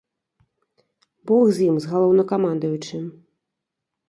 Бог з ім, з галоўнакамандуючым.